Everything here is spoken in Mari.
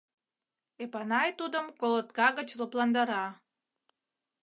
— Эпанай тудым колотка гыч лыпландара.